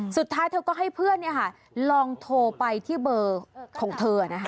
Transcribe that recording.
สุดท้ายเธอก็ให้เพื่อนลองโทรไปที่เบอร์ของเธอนะคะ